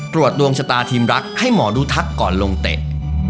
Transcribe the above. ดวงชะตาทีมรักให้หมอดูทักก่อนลงเตะ